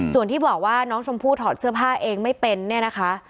ส่วนที่บอกว่าน้องชมพู่ถอดเสื้อผ้าเองไม่เป็นเนี่ยนะคะ